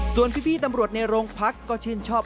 ส่วนพี่ตำรวจในโรงพักก็ชื่นชอบ